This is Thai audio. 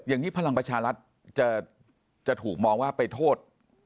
อย่างนี้พลังประชารัฐจะถูกมองว่าไปโทษ